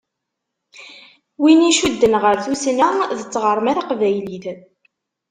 Wid i icudden ɣer tussna d tɣerma taqbaylit.